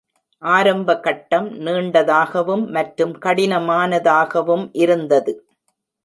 ஆரம்ப கட்டம் நீண்டதாகவும் மற்றும் கடினமானதாகவும் இருந்தது.